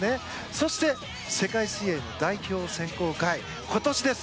そして、世界水泳の代表選考会今年です。